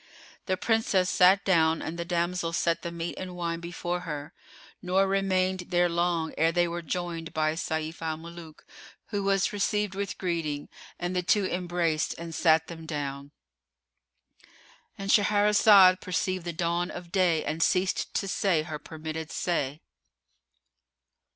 The Princess sat down and the damsel set the meat and wine before her: nor remained they long ere they were joined by Sayf al Muluk, who was received with greeting and the two embraced and sat them down.——And Shahrazad perceived the dawn of day and ceased to say her permitted say.